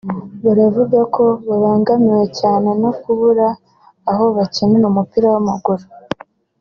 baravuga ko babangamiwe cyane no kutagira aho bakinira umupira w’amaguru